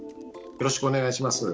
よろしくお願いします。